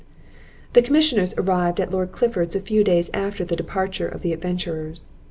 The Commissioners arrived at Lord Clifford's a few days after the departure of the adventurers.